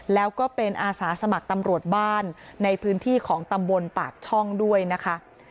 แล้วก็เป็นอาสาสมัครตำรวจบ้านในพื้นที่ของตำบลปากช่องด้วยนะคะ